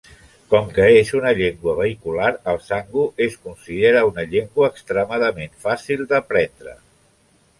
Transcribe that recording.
Com que és una llengua vehicular, el sango es considera una llengua extremadament fàcil d'aprendre.